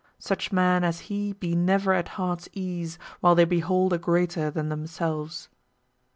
Such men as he be never at heart's ease, While they behold a greater than themselves.